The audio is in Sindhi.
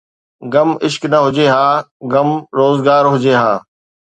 غم عشق نه هجي ها، غم روزگار هجي ها